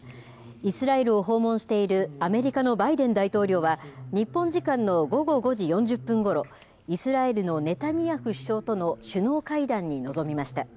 イスラエルを訪問しているアメリカのバイデン大統領は、日本時間の午後５時４０分ごろ、イスラエルのネタニヤフ首相との首脳会談に臨みました。